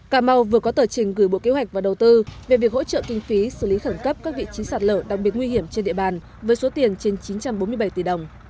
cà mau vừa có tờ trình gửi bộ kế hoạch và đầu tư về việc hỗ trợ kinh phí xử lý khẩn cấp các vị trí sạt lở đặc biệt nguy hiểm trên địa bàn với số tiền trên chín trăm bốn mươi bảy tỷ đồng